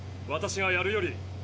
私がやるより。